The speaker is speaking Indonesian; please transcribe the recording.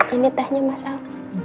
ini tehnya mas al